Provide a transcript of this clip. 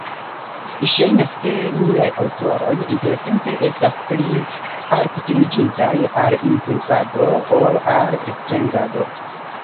Ŝajnas, ke niaj aŭtoroj intertempe estas pli alkutimiĝintaj al incensado, ol al recenzado.